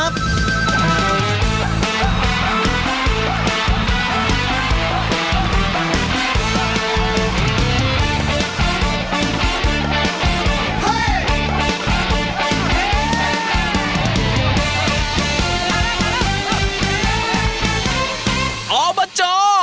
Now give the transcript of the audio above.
อบจมหาสนุก